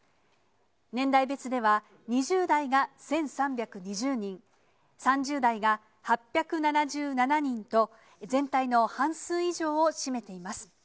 年代別では、２０代が１３２０人、３０代が８７７人と、全体の半数以上を占めています。